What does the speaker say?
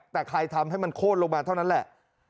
แต่ใครทำให้มันโค้นลงมาเท่านั้นแหละ